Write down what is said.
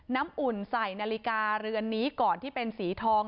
อุ่นใส่นาฬิกาเรือนนี้ก่อนที่เป็นสีทอง